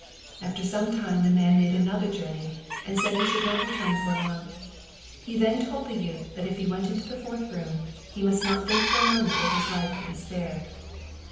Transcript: After some time the man made another journey, and said he should not return for a month. He then told the youth that if he went into the fourth room, he must not think for a moment that his life would be spared.